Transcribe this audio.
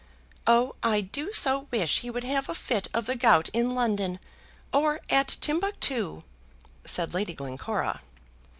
"Oh, I do so wish he would have a fit of the gout in London, or at Timbuctoo," said Lady Glencora.